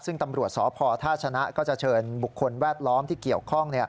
ซึ่งตำรวจสพท่าชนะก็จะเชิญบุคคลแวดล้อมที่เกี่ยวข้อง